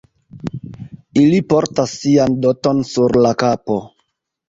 Ili portas sian doton sur la kapo.